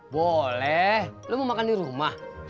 boleh lo mau makan di rumah